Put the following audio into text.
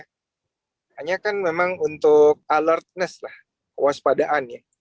hanya kan memang untuk alertness lah kewaspadaan ya